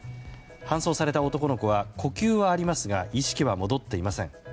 搬送された男の子は呼吸はありますが意識は戻っていません。